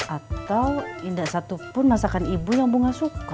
atau indah satupun masakan ibu yang bunga suka